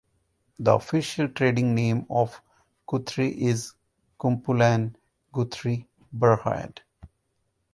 The official trading name of Guthrie is "Kumpulan Guthrie Berhad".